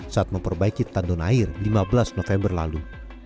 saat memperbaiki tandon air lima belas november lalu